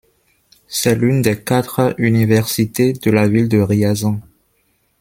C'est l'une des quatre universités de la ville de Riazan.